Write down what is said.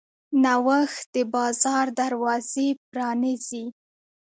نوښت د بازار دروازې پرانیزي.